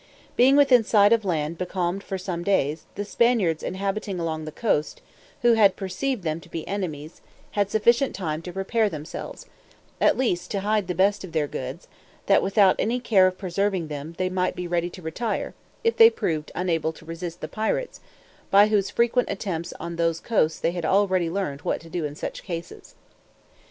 Being within sight of land becalmed for some days, the Spaniards inhabiting along the coast, who had perceived them to be enemies, had sufficient time to prepare themselves, at least to hide the best of their goods, that, without any care of preserving them, they might be ready to retire, if they proved unable to resist the pirates, by whose frequent attempts on those coasts they had already learned what to do in such cases.